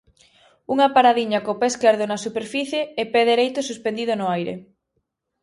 Unha paradiña co pé esquerdo na superficie e pé dereito suspendido no aire.